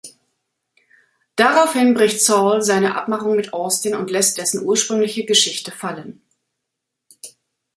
Daraufhin bricht Saul seine Abmachung mit Austin und lässt dessen ursprüngliche Geschichte fallen.